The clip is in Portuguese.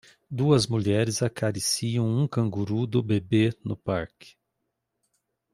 Duas mulheres acariciam um canguru do bebê no parque.